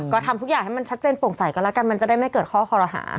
ก็ทำทุกอย่างให้มันชัดเจนโปร่งใสก็แล้วกันมันจะได้ไม่เกิดข้อคอรหา